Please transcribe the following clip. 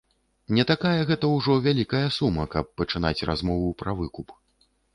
Не такая гэта ўжо вялікая сума, каб пачынаць размову пра выкуп.